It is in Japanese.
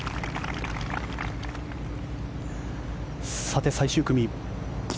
さて、最終組。